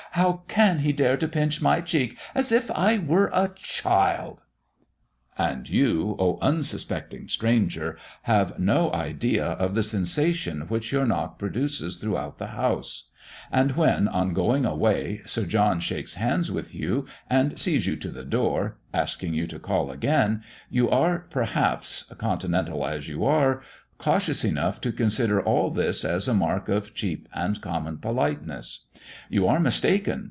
How can he dare to pinch my cheek as if I were but a child?" And you, O unsuspecting stranger, have no idea of the sensation which your knock produces throughout the house; and when, on going away, Sir John shakes hands with you, and sees you to the door, asking you to call again, you are, perhaps continental as you are cautious enough to consider all this as a mark of cheap and common politeness! You are mistaken.